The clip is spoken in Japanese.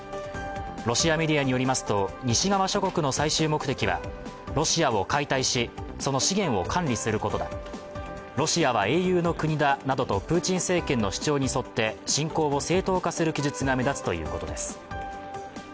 ロシアメディアによりますと、西側諸国の最終目的はロシアを解体し、その資源を管理することだ、ロシアは英雄の国だなどとプーチン政権の主張に沿って侵攻を正当化する記述が目立つということです。